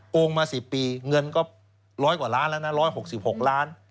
โกงมา๑๐ปีเงินก็ร้อยกว่าร้านแล้วนะร้อยหกสิบหกล้าน